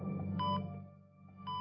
karena ada mimisan soalnya